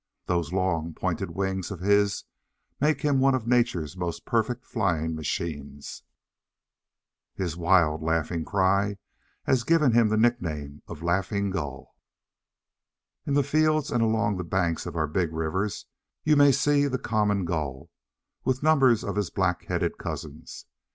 Those long, pointed wings of his make him one of Nature's most perfect flying machines. His wild, laughing cry has given him the nickname of Laughing Gull. In the fields and along the banks of our big rivers you may see the Common Gull with numbers of his black headed cousins.